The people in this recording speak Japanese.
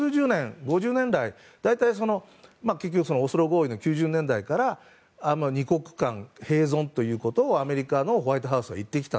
だから、結局オスロ合意の９０年代から２国家共存ということをアメリカのホワイトハウスは言ってきた。